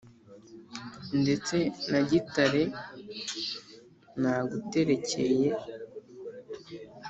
ndetse na gitare naguterekeye